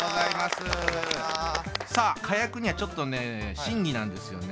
さあ賀屋君にはちょっとね審議なんですよね。